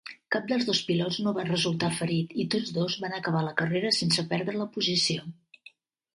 Cap dels dos pilots no va resultar ferit i tots dos van acabar la carrera sense perdre la posició.